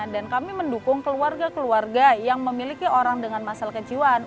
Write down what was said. kami mendukung keluarga keluarga yang memiliki orang dengan masalah kejiwaan